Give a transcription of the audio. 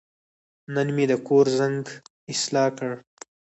نن مې د کور زنګ اصلاح کړ.